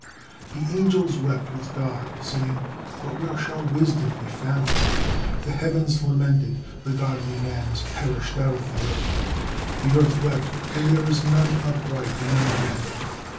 The angels wept with God, saying, "But where shall wisdom be found?" The heavens lamented: "The godly man is perished out of the earth." The earth wept: "And there is none upright among men."